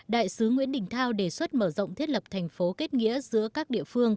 đại sứ nguyễn đình thao đề xuất mở rộng thiết lập thành phố kết nghĩa giữa các địa phương